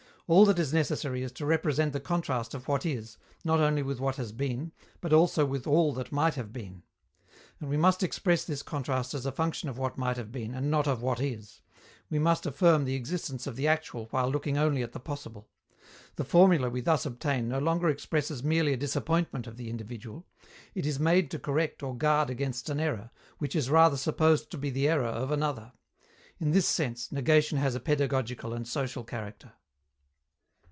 All that is necessary is to represent the contrast of what is, not only with what has been, but also with all that might have been. And we must express this contrast as a function of what might have been, and not of what is; we must affirm the existence of the actual while looking only at the possible. The formula we thus obtain no longer expresses merely a disappointment of the individual; it is made to correct or guard against an error, which is rather supposed to be the error of another. In this sense, negation has a pedagogical and social character.